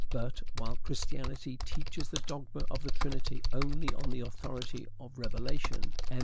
But, while Christianity teaches the dogma of the Trinity only on the authority of revelation, M.